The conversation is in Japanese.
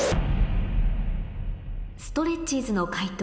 ストレッチーズの解答